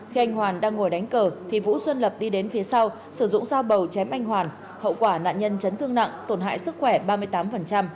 khi anh hoàn đang ngồi đánh cờ thì vũ xuân lập đi đến phía sau sử dụng dao bầu chém anh hoàn hậu quả nạn nhân chấn thương nặng tổn hại sức khỏe ba mươi tám